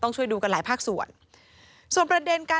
ต้องช่วยดูกันหลายภาคส่วน